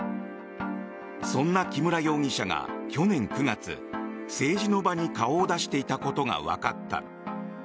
そんな木村容疑者が去年９月政治の場に顔を出していたことがわかった。